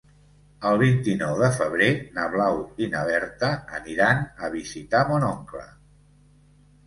El vint-i-nou de febrer na Blau i na Berta aniran a visitar mon oncle.